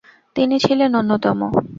তিনি ছিলেন অন্যতম।